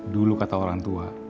dulu kata orang tua